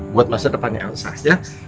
buat masa depannya elsa ya